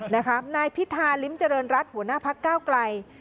นะครับนายพิธาลิ้มเจริญรัฐหัวหน้าภักดิ์ก้าวไกล